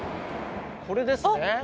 これですね。